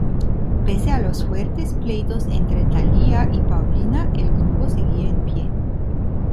Pese a los fuertes pleitos entre Thalía y Paulina, el grupo seguía en pie.